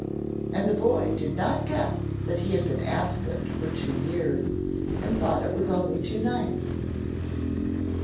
And the boy did not guess that he had been absent for two years, and thought it was only two nights.